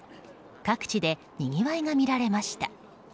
各地でにぎわいがみられました。